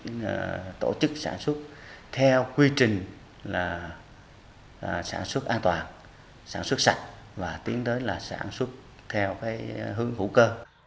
dần dần tổ chức sản xuất theo quy trình sản xuất an toàn sản xuất sạch và tiến tới sản xuất theo hướng hữu cơ